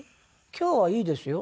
今日はいいですよ。